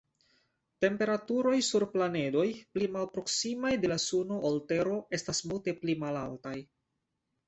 Temperaturoj sur planedoj pli malproksimaj de la Suno ol Tero estas multe pli malaltaj.